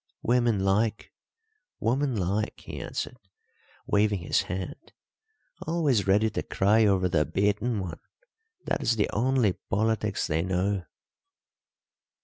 "Woman like woman like," he answered, waving his hand. "Always ready to cry over the beaten one that is the only politics they know."